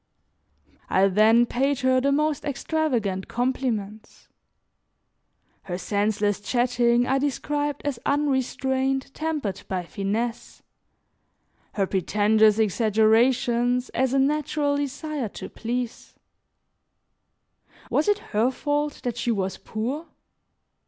I then paid her the most extravagant compliments; her senseless chatting I described as unrestraint tempered by finesse, her pretentious exaggerations as a natural desire to please; was it her fault that she was poor?